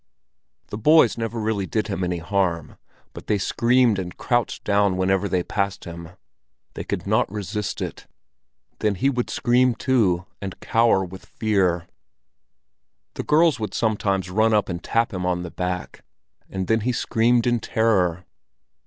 The boys never really did him any harm, but they screamed and crouched down whenever they passed him—they could not resist it. Then he would scream too, and cower with fear. The girls would sometimes run up and tap him on the back, and then he screamed in terror.